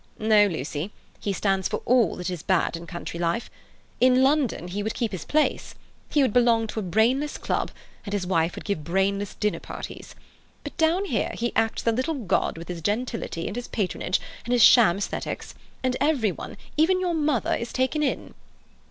"No, Lucy, he stands for all that is bad in country life. In London he would keep his place. He would belong to a brainless club, and his wife would give brainless dinner parties. But down here he acts the little god with his gentility, and his patronage, and his sham aesthetics, and every one—even your mother—is taken in."